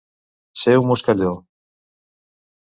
Ser un moscalló.